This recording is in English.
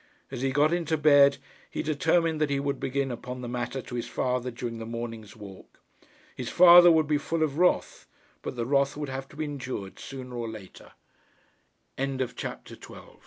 As he got into bed he determined that he would begin upon the matter to his father during the morning's walk. His father would be full of wrath; but the wrath would have to be endured sooner or later. CHAPTER XIII. On the next morning